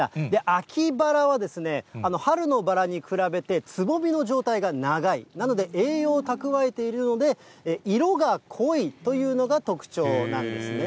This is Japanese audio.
秋バラは、春のバラに比べて、つぼみの状態が長い、なので栄養を蓄えているので、色が濃いというのが特徴なんですね。